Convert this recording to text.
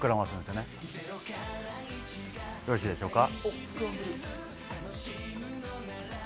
よろしいでしょうか。